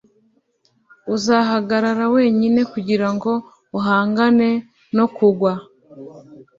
Uzahagarara wenyine kugirango uhangane no kugwa